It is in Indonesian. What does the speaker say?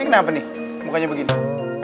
kenapa nih mukanya begini